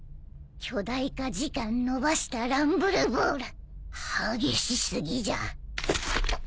巨大化時間延ばしたランブルボール激し過ぎじゃ。